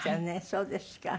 そうですか。